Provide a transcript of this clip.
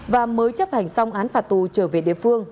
và mới chấp hành xong án phạt tù trở về địa phương